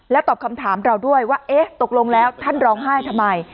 ตอบคำถามเราด้วยว่าเอ๊ะตกลงแล้วท่านร้องไห้ทำไม